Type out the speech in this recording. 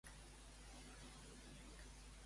Què expliquen els cronicons d'ella?